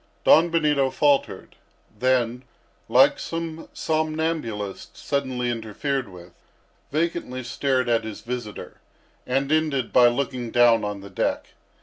Don Benito faltered; then, like some somnambulist suddenly interfered with, vacantly stared at his visitor, and ended by looking down on the deck.